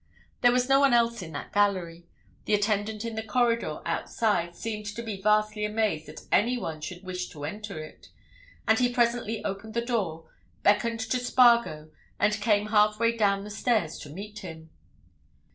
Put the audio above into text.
There was no one else in that gallery; the attendant in the corridor outside seemed to be vastly amazed that any one should wish to enter it, and he presently opened the door, beckoned to Spargo, and came half way down the stairs to meet him.